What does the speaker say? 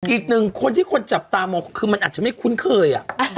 อีกหนึ่งคนที่คนจับตามองคือมันอาจจะไม่คุ้นเคย